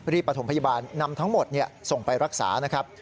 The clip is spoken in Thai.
ประถมพยาบาลนำทั้งหมดส่งไปรักษานะครับ